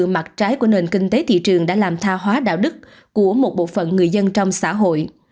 mặt trái của nền kinh tế thị trường đã làm tha hóa đạo đức của một bộ phận người dân trong xã hội